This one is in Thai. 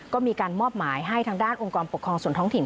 ก็มีการมอบหมายให้ทางด้านองค์กรปกครองส่วนท้องถิ่น